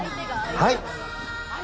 はい。